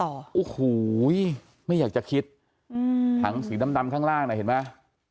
โอ้โหไม่อยากจะคิดถังสีดำข้างล่างน่ะเห็นไหม